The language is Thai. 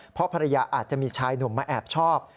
เพราะภรรยาอาจจะมีชายหนุ่มมาแอบชอบ